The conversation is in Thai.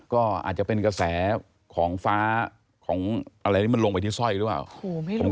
ก็อาจจะเป็นกระแสของฟ้าของอะไรที่มันลงไปที่สร้อยหรือเปล่า